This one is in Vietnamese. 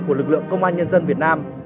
của lực lượng công an nhân dân việt nam